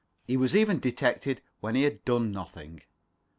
He was even detected when he had done nothing.